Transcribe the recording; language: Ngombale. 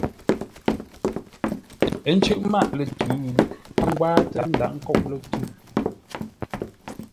Ə́ cʉ́ʼ mâʼ lə̂ tʉ̌, ə́ ngwáatə́; ə́ ndaghʼ ńkôʼ tʉ̌.